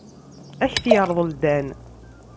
Ad ak-t-yerḍel Dan.